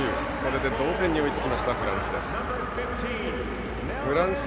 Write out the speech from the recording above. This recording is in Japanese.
同点に追いつきましたフランス。